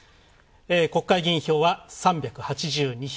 国会議員票は３８２票。